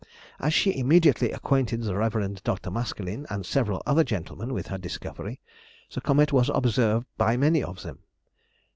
As she immediately acquainted the Reverend Dr. Maskelyne and several other gentlemen with her discovery, the comet was observed by many of them.